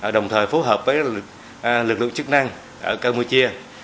đồng thời phối hợp với lực lượng chức năng ở campuchia